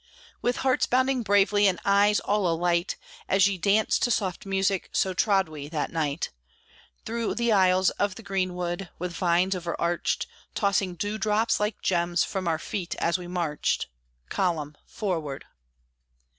With hearts bounding bravely, and eyes all alight, As ye dance to soft music, so trod we that night; Through the aisles of the greenwood, with vines overarched, Tossing dew drops, like gems, from our feet, as we marched "Column! Forward!"